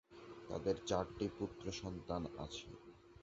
তাদের চারটি পুত্রসন্তান আছে।